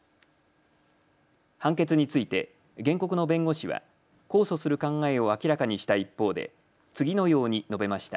判決について原告の弁護士は控訴する考えを明らかにした一方で次のように述べました。